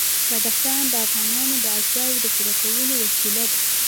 بدخشان د افغانانو د اړتیاوو د پوره کولو وسیله ده.